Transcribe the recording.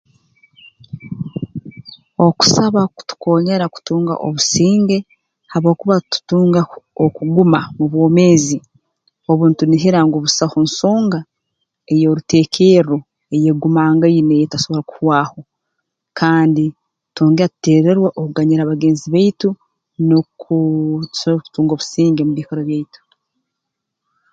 Okusaba kutukonyera kutunga obusinge habwokuba tutunga o okuguma mu bwomeezi obu ntunihira ngu busaho nsonga ey'oruteekerro eyeegumangaine eyeetasobora kuhwaho kandi twongera tuteererwa okuganyira bagenzi baitu nukwoo tusobole kutunga obusinge mu biikaro byaitu